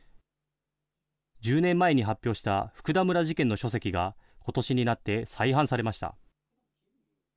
１０年前に発表した福田村事件の書籍が、ことしになって再版されました。